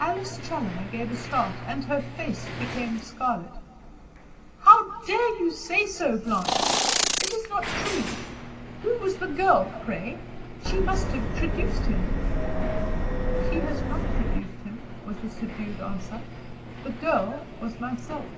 Alice Challoner gave a start, and her face became scarlet. "How dare you say so, Blanche? It is not true. Who was the girl, pray? She must have traduced him." "She has not traduced him," was the subdued answer. "The girl was myself."